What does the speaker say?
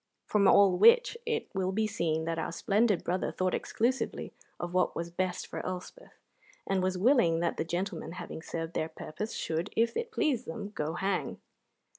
From all which it will be seen that our splendid brother thought exclusively of what was best for Elspeth, and was willing that the gentlemen, having served their purpose, should, if it pleased them, go hang.